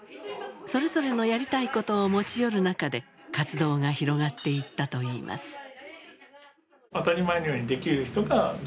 それぞれのやりたいことを持ち寄る中で活動が広がっていったといいます。